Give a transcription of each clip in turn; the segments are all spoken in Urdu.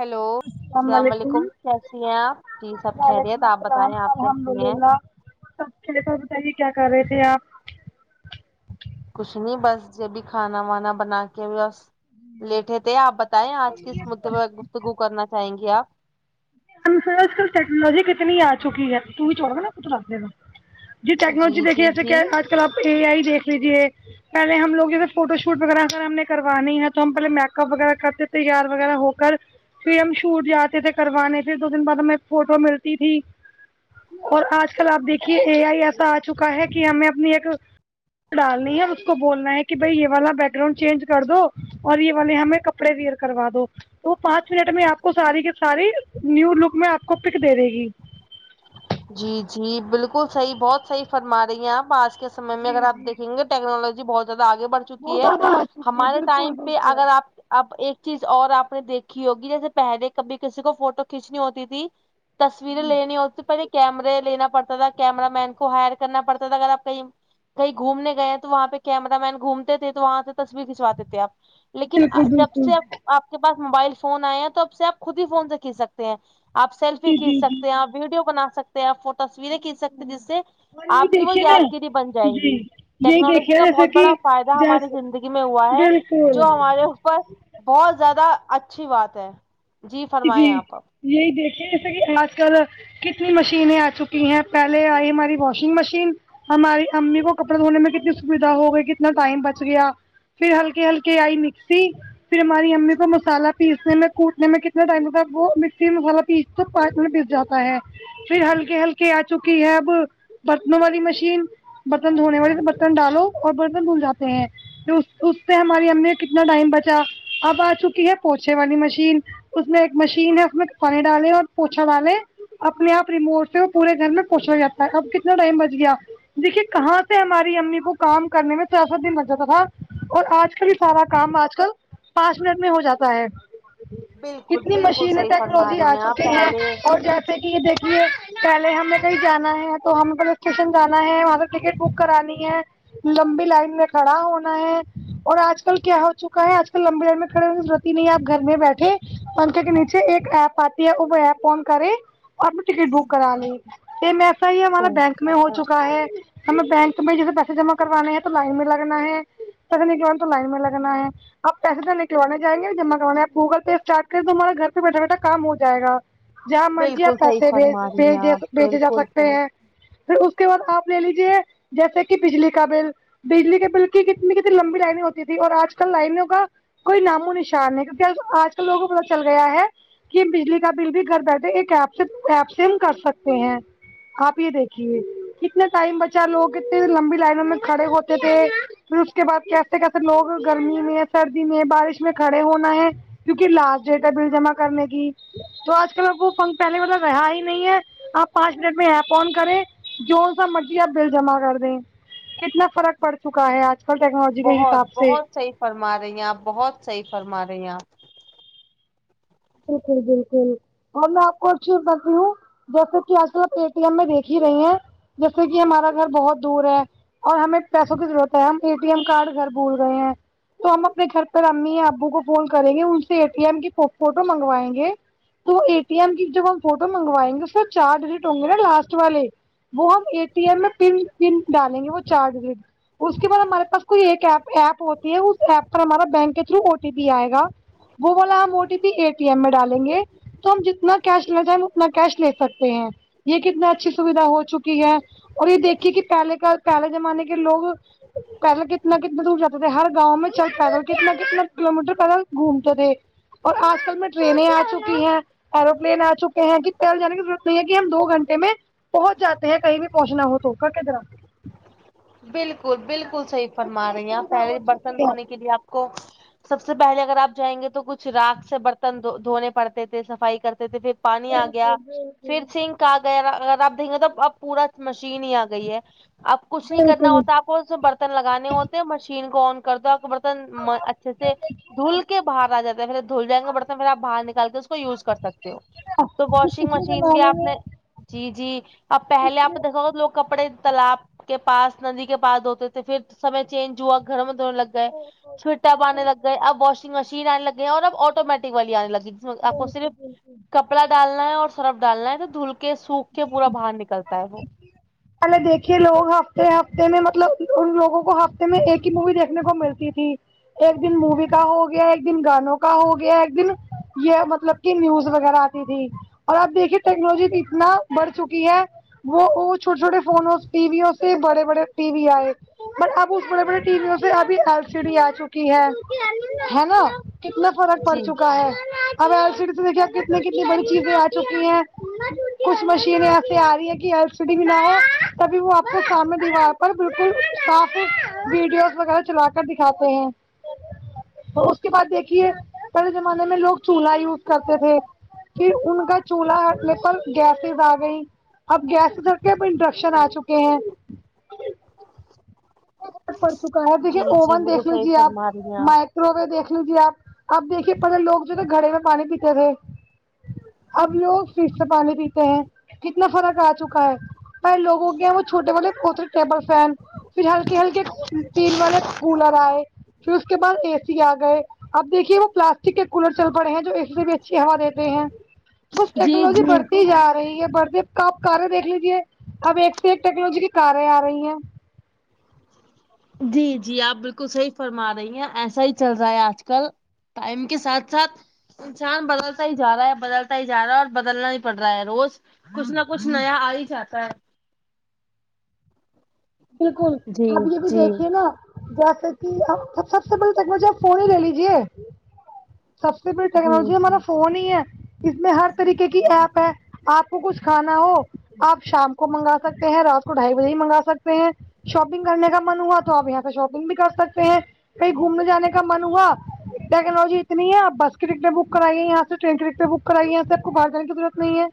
ہیلو السلام و علیکم کیسی ہیں آپ جی سب وعلیکم خیریت آپ السلام بتائیں آپ الحمد کیسی ہیں اللہ سب خریت تو ہی بتائیے کیا کر رہے تھے آپ کچھ نہیں بس جبھی کھانا وانا بنا کے بس لیٹے تھے آپ بتیں آج کس مدے پہ گفتگو کرنا چاہیں گے آپ آج کل ٹیکنالوج کتنی آ چکی ہے تو ہی چوڑا نا کتھ رکھ دینا جی ٹیکنالوجی جی دیکھیے جسے کہ جی آج کل آپ اے آئی دیکھ لیجیے پہلے ہم لوگوں فوٹو شوٹ وغیرہ اگر ہم نے کروانی ہے تو ہم پہلے میک اپ وغیرہ کرتے تیار وغیرہ ہو کر پھر ہم شوٹ جاتے تھے کروانے پھر دو دن بعد ہمیں فوٹو ملتی تھی اور آج کل آپ دیکھیے اے آئی ایسا آج چکا ہے کہ ہمیں اپنی ایک ڈالنی ہے اس کو بولنا ہے کہ بھائی یہ والا بیک گراؤنڈ چینج کر دو اور یہ والے ہمیں ک کپڑے ویئر کروا دو تو پانچ منٹ میں آپ کو ساری کے ساری نیو لوک میں آپ کو پک دے دے گی جی جی بالکل صحیح بہت صحیح فرما رہی ہیں آپ آج کے سمے میں اگر جی آپ جی دیکھیں گے تو ٹیکنالوجی بہت زیادہ آگے بڑھ بہت چکی ہے زیادہ آ چکے ہمارے بالکل ٹائم پہ بالکل اگر آپ اب ایک چیز اور آپ نے دیکھی ہوگی جیسے پہلے کبھی کسی کو فوٹو کھینچنی ہوتی تھی تصویریں لینی ہو سب سے پہلے کیمرے لینا پڑتا تھا کیمرہ مین کو ہائر کرنا پڑتا تھا اگر آپ کہیں کہیں گھومنے گئے تو وہاں پہ کیمر مین گھومتے تھے تو وہاں سے تصویر کھنچواتے تھے آپ لیکن بالکل جب بالکل سے اب آپ کے پاس موبائل فون آئے ہیں تو اب سے آپ خود ہی فون سے کھسکتے ہیں آپ سلفی جی کھینچ جی جی سکتے ہیں آپ جی ویڈیو بنا سکتے ہیں سے آپ وہ تصویریں کھینچ سکتے ہیں جس سے اور یہی آپ کی وہ دیکھیے نا یادگیری بن جائیں جی گی یہی ٹیکنالوجی دیکھیے کا جیسے بہت کہ بڑا فائدہ ہماری جیسے زندگی میں ہوا ہے بالکل جو ہمارے اوپر بہت زیادہ اچھی بات ہے جی فرمائائے آپ اب یہی دیکھیے جیسا کہ آج کل کتنی مشینیں آ چکی ہیں پہلے آئی ہماری واشنگ مشین ہماری امی کو کپڑے دھونے میں کتنی سویدھا ہو گئی کتنا ٹائم بچ گیا پھر ہلکے ہلکے آئی مکسی پھر ہماری امی کو مسالہ پیسنے میں کوٹنے میں ک یہ ٹائم پر وہ مکسی مئی وہ مسالہ پیس تو پانچ منٹ پیس جاتا ہے پھر ہلکے ہلکے آ چکی ہے اب برتنوں والی مشین برتن دھونے والی تو برتن ڈالو اور برتن دھل جاتے ہیں پھر اس سے ہماری ہم نے کتنا ٹائم بچا اب آ چکی ہے پوچھے والی مشین اس میں ایک مشین ہے اس میں پانی ڈالے اور پوچھا والالے اپنے آپ ریموٹ سے وہ پورے گھر میں پوچھا لگتا ہے اب کتنا ٹائم بچ گیا دیکھیے کہاں سے ہماری امی کو کام کرنے میں چاہا دن لگ جاتا تھا اور آج کل یہ سارا کام آج کل پانچ منٹ میں ہو جاتا ہے بالکل کتنی بالکل مشینیں صحیح فرما ٹیکنالوجی رہی آ آپ چکی ہیں پہلے اور جیسے کہ دیکھیے پہلے ہمیں کہیں جانا ہے تو ہم پہلے اسٹیشن جانا ہے وہاں سے ٹکٹ بک کرانی ہے لمبی لائن میں کھڑا ہونا ہے اور آج کل کیا ہو چکا ہے آج کل لمبی لائن میں کھڑے ہو جاؤ کی نہیں آپ گھر میں بیٹھے پنکھے کے نیچے ایک ایپ آتی ہے ا ور وه ایپ آن کرے اپ نے ٹکٹ بک کرانی ایم ایس ائی والا بینک میں ہو چکا ہے ہمیں بینک میں جیسے پیسے جمع کروانے ہیں تو لائن میں لگنا ہے چک لے جاؤں تو لائن میں لگنا ہے اپ پیسے تو لے کے وانا جائیں گے جمع کروانے گوگل پہ چیٹ کر تمہارا گھر پہ بیٹھے بیٹھے کام ہو جائے جہاں مرضی بالکل آپ صحیح پیسے بھیج فرما رہی ہیں بھیجے آپ بھیجے جا بالکل سکتے صحیح ہیں پھر اس کے بعد آپ لے لیجیے جیسے کہ بجلی کا بل بجلی کے بل کی کتنی کتنی لمبی لائنیں ہوتی اور آج کل لائنوں کا کوئی نام و نشان نہیں کیونکہ اج کل لوگوں کو پتہ چل گیا ہے کہ بجلی کا بل بھی گھر بیٹھے ایک ایپ سے ایپ سے ہم کر سکتے ہیں آپ یہ دیکھیے کتنا ٹائم بچا لوگ اتنے لمبی لائنوں میں کھڑے ہوتے تھے پھر اس کے بعد کیسے کیسے لوگ گرمی میں سردی میں بارش میں کھڑے ہونا ہے کیونکہ لاسٹ ڈیٹ ہے بل جمع کرنے کی تو آج کل کو پنکھ پہلے والطا رہا ہی نہیں ہے آپ پانچ منٹ میں ایپ آن کریں جوور سا مرجیا بل جمع کر دیں کتنا فرق پڑ چکا ہے آج کل ٹیکنالوجی کے بہت حساب سے بہت صحیح فرما رہی آپ بہت صحیح فرما رہی ہیں بالکل بالکل اور میں آپ کو اچ چیز بتاتی ہوں جیسے کہ آج کل آپ اے ٹی ایم میں دیکھ ہی رہی ہیں جیسے کہ ہمارا گھر بہت دور ہے اور ہمیں پیسوں کی ضرورت ہے ہم اے ٹی ایم کارڈ گھر بول رہے ہیں تو ہم اپنے گھر پر امی یا ابو کو فون کریں گے ان سے اے ٹی ایم کی فوٹو منگوائیں گے تو اے ٹی ایم کی جب ہم فوٹو منگوائیں گے سر چار ڈیلیٹ ہوں گے نا صرف لاسٹ والے وہ ہم اے ٹی ایم میں پ پن ڈالیں گے وہ چارج اس کے بعد ہمارے پاس کوئی ایک ایپ ہوتی ہے اس ایپ پر ہمارا بینک کے تھرو او ٹی پی آئے گا وہ بولا ہم O T P A T M میں ڈالیں گے تو ہم جتنا کیش لے جائیں اتنا کیش لے سکتے ہیں یہ کتنا اچھی سویدھا ہو چکی ہے اور یہ دیکھیے کہ پہلے کا پہلے زمانے کے لوگ پیدل کتنا کتنا دور جاتے تھے ہر گاؤں میں چل پیدل کتنا کتنا کلو میٹر پیدل گھومتے تھے اور آج کل میں ٹرینیں آ چکی ہیں ایروپلین آ چکے ہیں کہ پہل جانے کی ضرورت نہیں ہے کہ ہم دو گھنٹے میں پہنچ جاتے ہیں کہیں بھی پہنچنا ہو تو کا کدرا بالکل بالکل صحیح فرما رہی ہیں آپ پہلے برتن دھونے کے لیے آپ کو سب سے پہلے اگر آپ جائیں گے تو کچھ راکھ سے برتن دھونے پڑتے تھے صفائی کرتے تھے پھر پانی آ گیا پھر آ گیا اگر آپ دیکھ گے تو اب پورا مشین ہی آ گئی ہے اب کچھ نہیں کرنا ہوتا آپ کونسا برتن لگانے ہوتے ہیں مشین کو آن کر دو برتن اچھے سے دھول کے باہر آ جاتا ہے پھر دھول جائیں گے برتن پھر آپ باہر نکال کے اس کو یوز کر سکتے ہو تو واشنگ مشین بھی آپ نے جی جی اپ پہلے آپ نے دیکھا ہوگا لوگ کپڑے تالاب کے پاس ندی کے پاس دھوتے تھے پھر سمے چینج ہوا گھر میں دھونے لگ گئے سویٹر باننے لگ گئے اب واشنگ مشین آنے لگے ہیں اور اب آٹومیٹک والی آنے لگی جس میں آپ کو صرف ک کپڑا ڈالنا ہے اورصرف ڈالنا ہے تو دھل کے سوکھ کے پورا باہر نکلتا ہے وہ پہلے دیکھیے لوگ ہفتے ہفتے میں مطلب ان لوگوں کو ہفتے میں ایک ہی موی دیکھنے کو ملتی تھی ایک دن موی کا ہو گیا ایک دن گانوں کا ہو گیا ایک دن یہ مطلب ک نیوز وغیرہ آتی تھی اور آپ دیکھیے ٹیکنالوجی اتنا آگے بڑھ چکی ہے وہ چھوٹے چھوٹے فونوں ٹیویو سے بڑے بڑے ٹی وی آئے اب اس بڑے بڑے ٹی ویوں سے ابھی ایل سی ڈی آ چکی ہے ہے نا کتنا فرق پڑ جی چکا ہے ہم ایل سی ڈی سے دیکھے کتنی کتنی بڑی چیزیں آ چکی ہیں کچھ مشینیں ایسے آ رہی ہے کہ تبھی وہ آپ کو سامنے دیوار پر بالکل صاف ویڈیوز وغیرہ چلا کے کر دکھاتے ہیں اس کے بعد دیکھیے پہلے زمانے میں لوگ چولہا یوز کرتے تھے پھر ان کا چولہانے پر گیسز آ گئی اب گیسز ہٹ اب انٹرکشن آ چکے ہیں پڑ چکا ہے اب دیکھیے جی جی اوون بالکل دیکھ صحیح لیجیے فرما رہی ہیں آپ مائیک روگا دیکھ لیجے آپ اب دیکھیے پہلے لوگ جو نا گڑے میں پانی پیتے تھے اب لوگ فریج سے پانی پیتے ہیں کتنا فرق آ چکا ہے پہلے لوگو کے یہاں وہ چھوٹے والے کرسی ٹیبل فین پھر ہلکے ہلکے ٹین والے کولر آئے پھر اس کے بعد اے سی آ گئے اب دیکھیے وہ پلاسٹک کے کولر چل پڑے ہیں جو اے سی سے بھی اچھی ہوا دیتے ہیں بس جی جی ٹیکنالوجی بڑھتی جا رہی ہے بڑھتی تو آپ کارے دیکھ لیجے اب ایک سے ایک ٹیکنالوجی کی کاریں آ رہی ہیں جی جی آپ بالکل صحیح فرما رہی ہیں ایسا ہی چل رہا ہے آج کل ٹائم کے ساتھ ساتھ انسان بدلتا ہی جا رہا ہے بدلتا ہی جا رہا ہے اور بدلنا ہی پڑ رہا ہے روز کچھ نہ کچھ نیا آ ہی جاتا ہے بالکل جی آپ یہ بھی جی دیکھیے نا جیسے کی اب سب سے پہلے ٹیکنالوجی فون ہی لے لیجیے سب سے بڑی جی ٹیکنالوجی جی ہمارا فون ہی ہے اس میں ہر طریقے کی ایپ ہے آپ کچھ کھانا ہو آپ شام کو منگا سکتے ہیں رات کو ڈھائی بجے بھی منگا سکتے ہیں شاپنگ کرنے کا من ہوا تو آپ یہاں سے شاپنگ بھی کر سکتے ہیں کہی گھومنے جانے کا من ہوا ٹیکنالوجی اتنی ہے آپ بس کی ٹکٹیں بک کرائیے یہاں سے ٹرین کی ٹکٹیں بک کرائیے یہاں سے آپ کو باہر جانے کی ضرورت نہیں ہے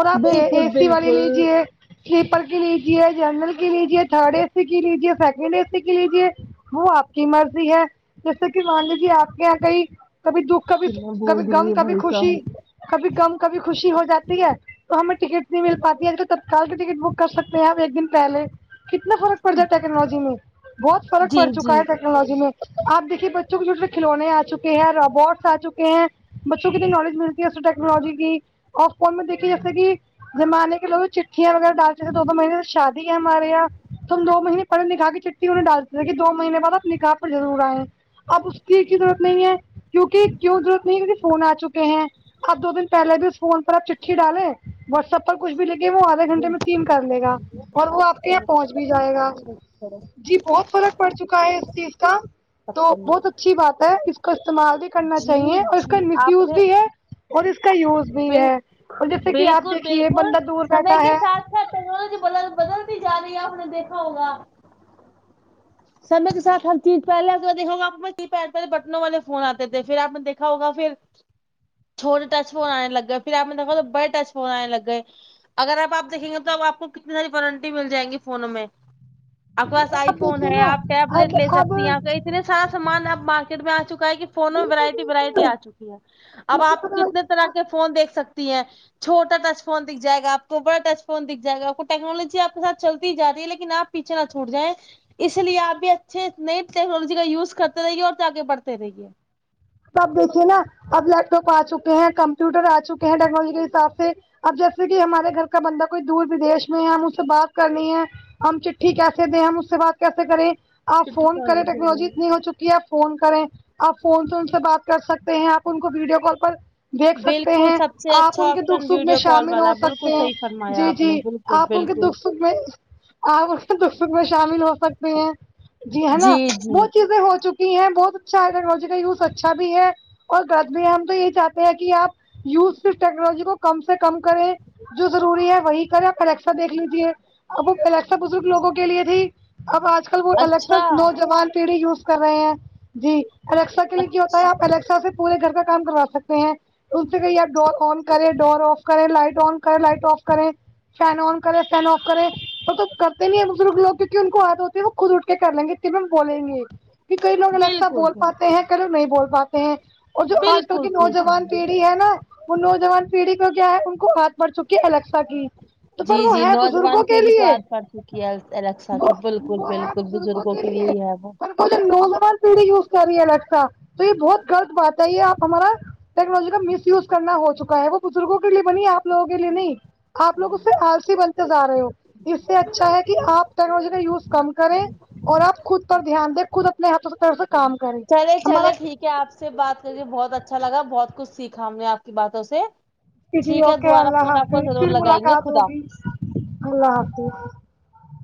اور آپ اے بالکل سی والی بالکل لیجیے سلیپر کی لیجیے جنرل کی کی لیجیے تھرڈ اے سی کی لیجیے سیکنڈ اے سی کی لیجیے وہ آپ کی مرضی ہے جیسے کہ مان لیجیے آپ کے یہاں کئی کبھی دکھ کبھی کتنا بول کبھی رہی غم ہے کبھی بھائی خوشی صاحب کبھی غم کبھی خوشی ہو جاتی ہے تو ہمیں ٹکٹ نہیں مل پاتی ہے تو تتکال کے ٹکٹ بک کر سکتے ہیں ہم ایک دن پہلے کتنا فرق پڑ جاتا ٹیکنالوجی میں بہت فرق جی پڑ جی چکا ہے ٹیکنالوجی میں آپ دیکھیے بچوں کے جو صرف کھلونے آ چکے ہیں روبوٹس آ چکے ہیں بچوں کتنی نالج ملتی ہے اس ٹیکنالوجی کی آف فون میں دیکھیے جیسے کہ زمانے کے لوگ چٹیا وغیرہ ڈال چتے دو مہینے سے شادی ہے ہم ارےیا تو ہم دو مہینے پہلے نکھا کے چٹی انہیں ڈالتے تھے کہ دو مہینے بعد آپ نکاح پر ضرور آئے اب اس کی کی ضرورت نہیں ہے کیونکہ کیوں ضرورت نہیں فون آ چکے ہیں اب دو دن پہلے بھی اس فون پر آپ چ ڈالیں واٹسپ پر کچھ بھی لے کے وہ آدھے گھنٹے میں ٹیم کر لے گا اور وہ آپ کے لئے پہنچ بھی جائے گا جی بہت فرق پڑ چکا ہے اس چیز کا تو بہت اچھی بات ہے اس کو استعمال بھی کرنا چاہیے جی اور اس کا جی مس آپ یوز نے بھی ہے اور اس کا یوز بھی بل ہے اور جیسے کہ آپ دیکھیے بندہ دور بیٹھا ہے ا ٹیکنالوجی بد بدلتی جا رہی ہے آپ نے دیکھا ہوگا [inaudible] سر میں تو ساتھ ہر چیز پہلے آپنے دیکھا ہوگا بٹنوں والے فون آتے تھے پھر آپ نے دیکھا ہوگا پھر [inaudible] چھوٹے ٹچ فون آنے لگے پھر آپ نے دیکھا بڑے ٹچ فون آنے لگے اگر آپ دیکھیں گے تو اب آپکو کتنی ساری وارنٹی مل جائے گی فونوں میں آپ کے پاس آئی فون ہے آپ ٹیبلیٹ لے سکتی ہیں آ اتنے سارا سامان اب مارکیٹ میں آ چکا ہے کہ فونوں میں ورائٹی وورائٹی آ چکی ہے اب آپ کتنے طرح کے فون دیکھ سکتی ہیں چھوٹا ٹچ فون دکھ جائے گا آپ کو بڑا ٹچ فون دکھ جائے گا آپ کو ٹیکنالوجی آپ کے ساتھ چلتی ہی جا رہی ہے لیکن آپ پیچھا چھوٹ جائے اس لیے آپ بھی اچھے نئی ٹیکنالوجی کا یوز کرتے رہیے اور آگے بڑھتے رہیے سب دیکھیے نا اب لیپٹاپ آ چکے ہیں کمپیوٹر آ چکے ہیں ٹیکنالوجی کے حساب سے اب جیسے کہ ہمارے گھر کا بندہ کوئی دور ودیش میں ہے ہم اس سے بات کرنی ہے ہم چٹھی کیسے دیں ہم اس کے بات کیسے کریں آپ چٹھی فون کال کریں لگی ٹیکنالوجی ہوئی اتنی ہو چکی ہے آپ فون کریں آپ فون تو سے بات کر سکتے ہیں آپ ان کو ویڈیو کال پر دیکھ سکتے بالکل ہیں سب سے آپ اچھا ان کے دکھ آپشن سکھ میں ویڈیو کال شامل ہو والا بالکل سکتے ہیں صحیح فرمایا جی آپ نے جی بالکل آپ ان کے بالکل دکھ سکھ میں آپ ان کے دکھ سکھ میں شامل ہو سکتے ہیں جی ہے نا وہ چیزیں ہو چک تی ہیں بہت اچھا ہے ٹیکنالوجی کا یو ز اچھا بھی ہے اور گد بھی ہم تو یہ ہی چاہتے ہیں کہ آپ یوز صرف ٹیکنالوجی کو کم سے کم کریں جو ضروری ہے وہی کریں پر یکشا دیکھ لیجیے اب وہ الیکسا بزرگ لوگوں کے لیے تھی اب آج کل وہ الیکسا اچھا نوجوان پیڑھی یوز کر رہے ہیں جی الیکسا کے لیے کیا ہو اچھا الیکسا سے پورے گھر کا کام کروا سکتے ہیں ان سے کہئے آپ ڈور آن کریں ڈور آف کریں لائٹ آن کریں لائٹ آف کریں فین آن کرے فین آف کرے تو تو کرتے نہیں ہے بزرگ لوگ کیو نکہ ان کو عادت ہوتی ہے وہ خود اٹھ کے کر لیں گے کہ ہمیں ہم بولیں گے کہ کئی لوگ الیکسا بالکل بول پاتے بالکل ہیں کئی لوگ نہیں بول پاتے ہیں اور جو آج کل بالکل کے صحیح نوجوان کے فرمایا کی ہے نا وہ نوجوان پیڑھی کو کیا ہے ان کو عادت پڑچکی ہے الیکسا کی تو جی پر وہ جی ہے بزرگوں نوجوان کے پیڑھی کو لیے عادت پڑھ چکی ہے الیکسا کی وہ بالکل بالکل کچھ بزرگوں کے لیے ہی ہے وہ تو نوجوان پیڑھی یوز کر رہی ہے الیکسا تو یہ بہت غلط بات ہے یہ آپ ہمارا ٹیکنالوجی کا مس یوز کرنا ہو چکا ہے وہ بزرگوں کے لیے بنی ہے آپ لوگوں کے لیے نہیں آپ لوگ اس سے آلسی بنتے جا رہے ہو اس سے اچھا ہے کہ آپ ٹیکنالوجی کا یوز کم کریں اور آپ خود پر دھیان دیں خود اپنے ہاتھوں سے پیروں سے کام کریں چلیں ہمارا چلیں ٹھیک ہے آپ سے بات کر کے بہت اچھا لگا بہت کچھ سیکھا ہم نے آپ کی باتوں سے جی جی ٹھیک ہے اوکے دوبارہ اللہ فون آپ کو حافظ ضرور پھر لگائیں گے ملاقات خدا ہوگی حافظ اللہ حافظ